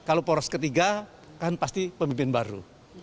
kalau poros ketiga kan pasti pemimpin baru